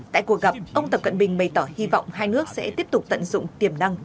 tại cuộc gặp ông tập cận bình bày tỏ hy vọng hai nước sẽ tiếp tục tận dụng tiềm năng